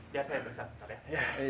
biasa ya benar benar